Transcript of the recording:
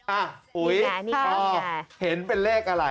อ่ะอุ้ยอ๋อเห็นเป็นเลขอะไร